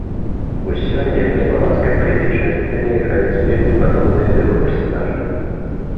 Бо сёння на славацкай палітычнай сцэне іграюць вельмі падобныя да яго персанажы.